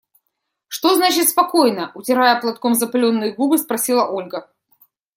– Что значит «спокойно»? – утирая платком запыленные губы, спросила Ольга.